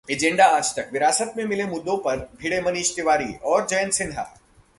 agenda Aaj Tak: विरासत में मिले मुद्दों पर भिड़े मनीष तिवारी और जयंत सिन्हा